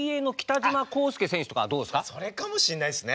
それかもしんないっすね。